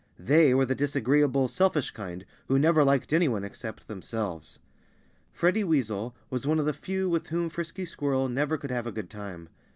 They were the disagreeable, selfish kind, who never liked anyone except themselves. Freddie Weasel was one of the few with whom Frisky Squirrel never could have a good time.